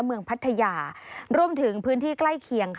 พัทยารวมถึงพื้นที่ใกล้เคียง